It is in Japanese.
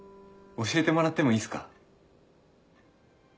教えてもらってもいいっすか？